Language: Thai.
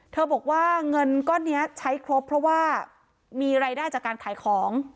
บอกว่าเงินก้อนนี้ใช้ครบเพราะว่ามีรายได้จากการขายของ